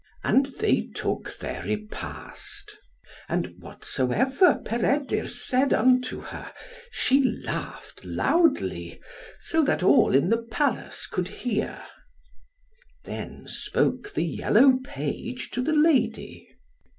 And they took their repast. And whatsoever Peredur said unto her, she laughed loudly, so that all in the palace could hear. Then spoke the yellow page to the lady.